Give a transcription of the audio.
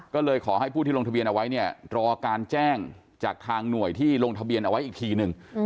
ก็เลยขอให้ผู้ที่ลงทะเบียนเอาไว้เนี่ยรอการแจ้งจากทางหน่วยที่ลงทะเบียนเอาไว้อีกทีหนึ่ง